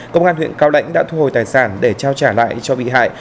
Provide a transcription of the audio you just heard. công an huyện cao lãnh đã thu hồi tài sản để trao trả lại cho bị hại